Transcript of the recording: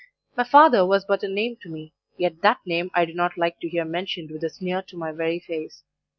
My father was but a name to me, yet that name I did not like to hear mentioned with a sneer to my very face.